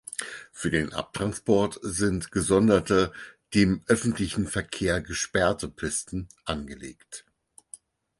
Für den Abtransport sind gesonderte, dem öffentlichen Verkehr gesperrte Pisten angelegt.